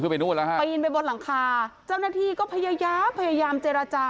ไปยินไปบนหลังคาเจ้าหน้าที่ก็พยายามเจรจา